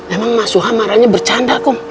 emang mas suha marahnya bercanda kok